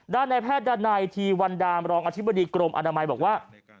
ในแพทย์ดันไนทีวันดามรองอธิบดีกรมอนามัยบอกว่า